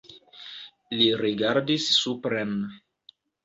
Li rigardis supren.